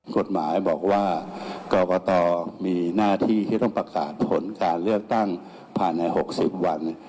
กฎหมายบอกว่ากรกตมีหน้าที่ที่ต้องประกาศผลการเลือกตั้งภายใน๖๐วัน